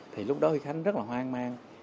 thì lúc đó huy khánh rất là hoang mang